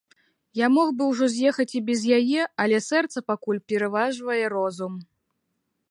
Я мог бы ўжо з'ехаць і без яе, але сэрца пакуль пераважвае розум.